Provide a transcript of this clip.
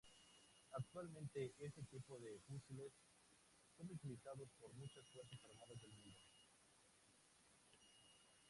Actualmente este tipo de fusiles son utilizados por muchas fuerzas armadas del mundo.